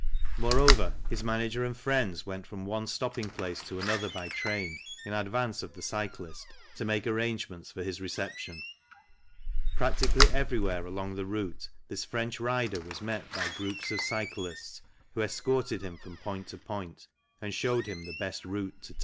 Moreover, his manager and friends went from one stopping place to another by train, in advance of the cyclist, to make arrangements for his reception. Prac tically everywhere along the route this French rider was met by groups of cyclists who escorted him from point to point and showed him the best route to take FIG.